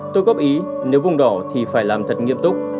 tôi góp ý nếu vùng đỏ thì phải làm thật nghiêm túc